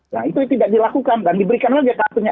nah itu tidak dilakukan dan diberikan saja kartunya